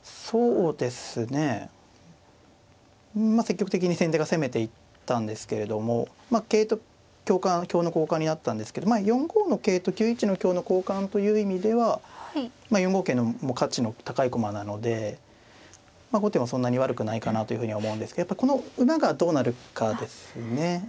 そうですねまあ積極的に先手が攻めていったんですけれどもまあ桂と香の交換になったんですけどまあ４五の桂と９一の香の交換という意味では４五桂のもう価値の高い駒なのでまあ後手もそんなに悪くないかなというふうには思うんですけどやっぱこの馬がどうなるかですね。